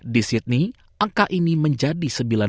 di sydney angka ini menjadi sembilan